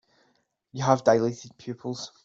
You have dilated pupils.